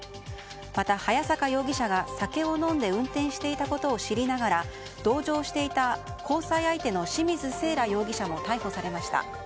また、早坂容疑者が酒を飲んで運転していたことを知りながら同乗していた、交際相手の清水せいら容疑者も逮捕されました。